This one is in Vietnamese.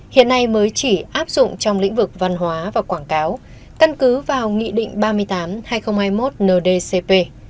hiện nay mới chỉ áp dụng trong lĩnh vực văn hóa và quảng cáo căn cứ vào nghị định ba mươi tám hai nghìn hai mươi một ndcp